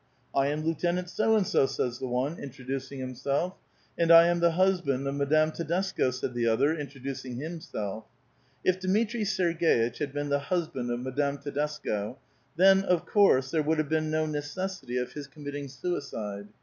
"I am Lieutenant So and so," says the one, introducing himself; '* And I am the husband of Madame Tedesco," said the other, introducing himself. If Dmitri Serg^itch had been the husband of Madame Tedesco, then, of course, there would have been no necessity of his committing suicide.